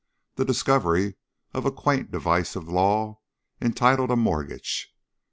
_, the discovery of a quaint device of the law entitled a "mortgage."